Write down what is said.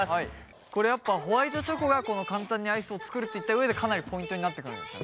これやっぱホワイトチョコが簡単にアイスを作るといった上でかなりポイントになってくるんですよね